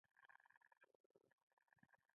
ځغاسته د سستي مخنیوی کوي